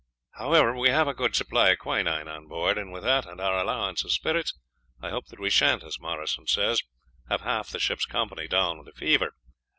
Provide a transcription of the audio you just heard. However, we have a good supply of quinine on board, and with that and our allowance of spirits, I hope that we shan't, as Morrison says, have half the ship's company down with the fever.